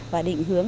và định hướng